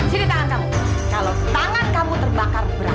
sini tangan kamu kalau tangan kamu terbakar berat